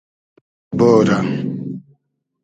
بورۂ